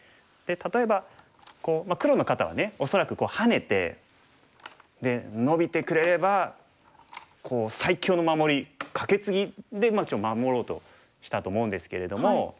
例えば黒の方はね恐らくハネてでノビてくれれば最強の守りカケツギで守ろうとしたと思うんですけれども。